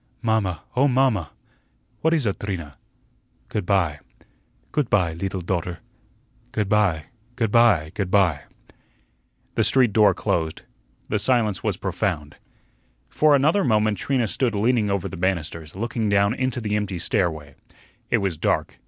"Mamma, oh, mamma!" "What is ut, Trina?" "Good by." "Goot py, leetle daughter." "Good by, good by, good by." The street door closed. The silence was profound. For another moment Trina stood leaning over the banisters, looking down into the empty stairway. It was dark.